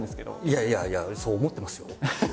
いやいやいやそう思ってますよ。